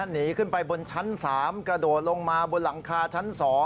หนีขึ้นไปบนชั้น๓กระโดดลงมาบนหลังคาชั้น๒